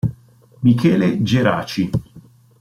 Michele Geraci